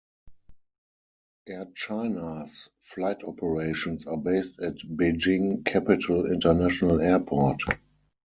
Air China's flight operations are based at Beijing Capital International Airport.